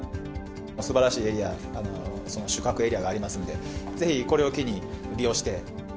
すばらしいエリア、そういう宿泊エリアがありますので、ぜひこれを機に利用して。